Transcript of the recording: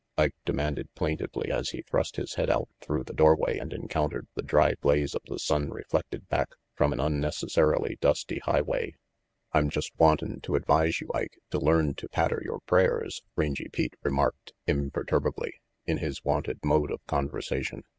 Ike demanded plaintively as he thrust his head out through the doorway and encountered the dry blaze of the sun reflected back from an unnecessarily dusty highway. "I'm just wantin' to advise you, Ike, to learn to patter your prayers," Rangy Pete remarked imper turbably, in his wonted mode of conversation.